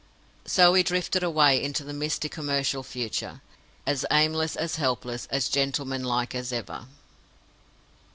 So he drifted away into the misty commercial future—as aimless, as helpless, as gentleman like as ever.